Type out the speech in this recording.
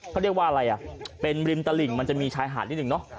เขาเรียกว่าอะไรอ่ะเป็นริมตลิ่งมันจะมีชายหาดนิดหนึ่งเนอะ